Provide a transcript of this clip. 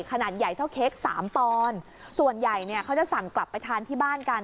ขนาดใหญ่เท่าเค้กสามปอนด์ส่วนใหญ่เนี่ยเขาจะสั่งกลับไปทานที่บ้านกัน